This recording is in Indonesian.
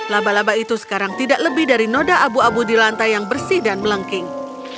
laba laba itu sekarang tidak lebih dari noda abu abu di lantai yang bersih dan melengking